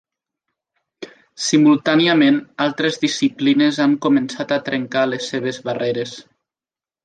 Simultàniament, altres disciplines han començat a trencar les seves barreres.